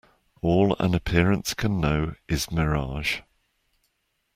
All an appearance can know is mirage.